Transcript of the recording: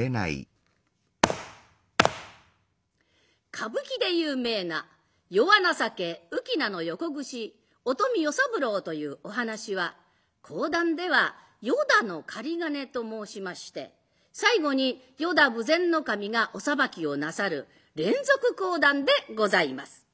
歌舞伎で有名な「与話情浮名横櫛」「お富与三郎」というお噺は講談では「依田の雁金」と申しまして最後に依田豊前守がお裁きをなさる連続講談でございます。